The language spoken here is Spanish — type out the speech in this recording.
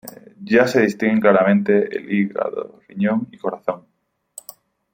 Ya se distinguen claramente el hígado, riñón y corazón.